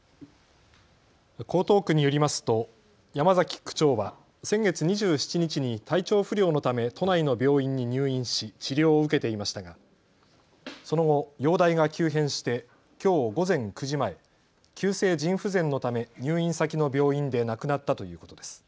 江東区によりますと山崎区長は先月２７日に体調不良のため都内の病院に入院し治療を受けていましたがその後、容体が急変してきょう午前９時前、急性腎不全のため入院先の病院で亡くなったということです。